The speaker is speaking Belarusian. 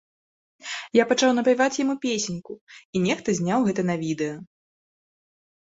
Я пачаў напяваць яму песеньку, і нехта зняў гэта на відэа.